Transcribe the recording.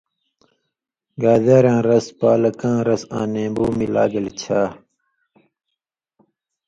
گازریاں رس، پالکاں رس، آں نیمبُو ملا گیل چھا۔